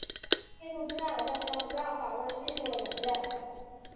印度支那的战争让法国人进入了缅甸。